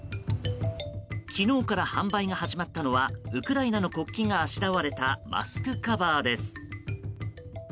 昨日から販売が始まったのはウクライナの国旗があしらわれたマスクカバーです。